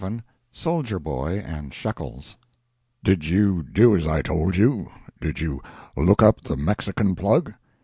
VII SOLDIER BOY AND SHEKELS "DID you do as I told you? Did you look up the Mexican Plug?"